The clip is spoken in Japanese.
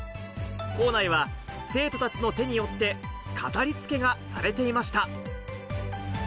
校内は生徒たちの手によって飾り付けがされていました。